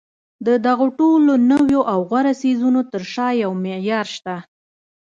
د دغو ټولو نویو او غوره څیزونو تر شا یو معیار شته